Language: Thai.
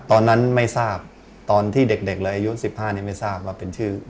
ตอนนั้นไม่ทราบตอนที่เด็กเลยอายุ๑๕นี้ไม่ทราบว่าเป็นชื่อ